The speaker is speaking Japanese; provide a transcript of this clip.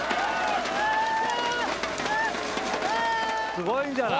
すごいんじゃない？